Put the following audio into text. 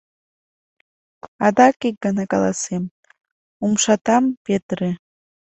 Адак ик гана каласем: умшатам петыре...